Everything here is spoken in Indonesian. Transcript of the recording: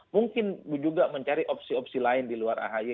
mungkin juga mencari opsi opsi lain di luar ahy